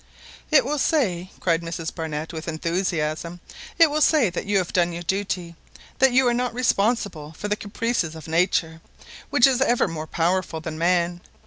"It will say," cried Mrs Barnett with enthusiasm, "it will say that you have done your duty, that you are not responsible for the caprices of nature, which is ever more powerful than man.